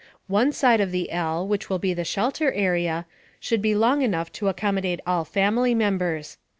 One side of the L, which will be the shelter area, should be long enough to accommodate all family members.